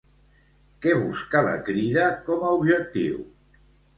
Què busca la Crida com a objectiu?